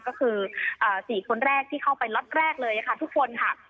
ก็คือ๔คนแรกที่เข้าไปล็อตแรกเลยค่ะทุกคนค่ะ